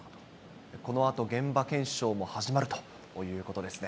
このあと、現場検証も始まるということですね。